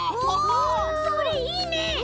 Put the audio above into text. おそれいいね！